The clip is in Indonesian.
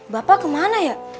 bapak kemana ya